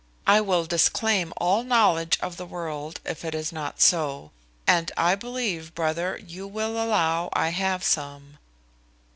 I will disclaim all knowledge of the world, if it is not so; and I believe, brother, you will allow I have some."